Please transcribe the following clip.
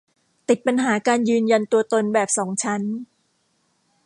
ติดปัญหาการยืนยันตัวตนแบบสองชั้น